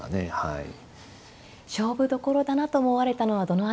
はい。